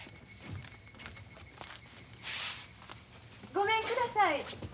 ・ごめんください。